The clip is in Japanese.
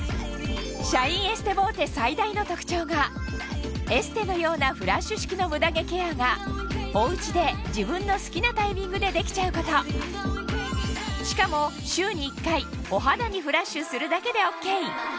シャインエステボーテ最大の特徴がエステのようなフラッシュ式のムダ毛ケアがおうちで自分の好きなタイミングでできちゃうことしかもまず。